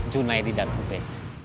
junedi dan upe